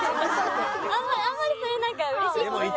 あんまりあんまりそれなんかうれしい事じゃない。